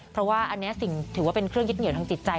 เพราะว่าอันนี้สิ่งถือว่าเป็นเครื่องยึดเหนียวทางจิตใจ